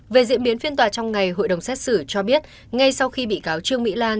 về diễn biến phiên tòa trong ngày hội đồng xét xử cho biết ngay sau khi bị cáo trương mỹ lan